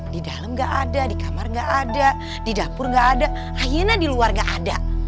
di dalam gak ada di kamar gak ada di dapur nggak ada akhirnya di luar gak ada